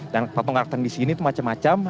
dan patung karakter di sini itu macam macam